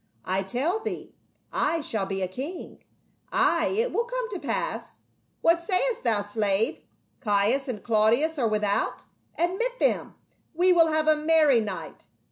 I tell thee I shall be a king. Ay, it will come to pass. — What sayest thou, slave ? Caius and Claudius are without ? Admit them ; we will have a merr>' night.